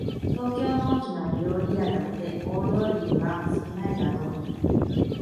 東京の大きな料理屋だって大通りには少ないだろう